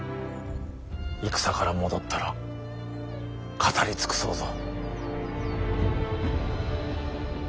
戦から戻ったら語り尽くそうぞ。